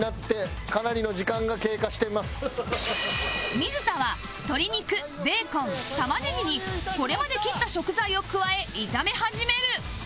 水田は鶏肉ベーコン玉ねぎにこれまで切った食材を加え炒め始める